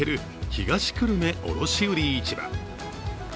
東久留米卸売市場。